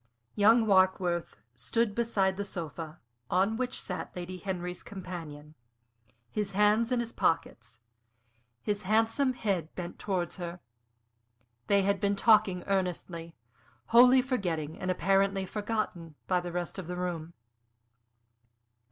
Young Warkworth stood beside the sofa, on which sat Lady Henry's companion, his hands in his pockets, his handsome head bent towards her. They had been talking earnestly, wholly forgetting and apparently forgotten by the rest of the room.